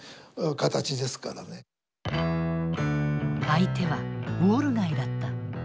相手はウォール街だった。